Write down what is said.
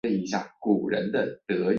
属于第三收费区。